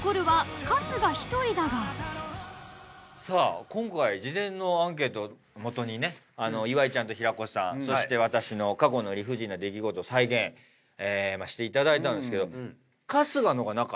さあ今回事前のアンケートを基に岩井ちゃんと平子さんそして私の過去の理不尽な出来事再現していただいたんですけど。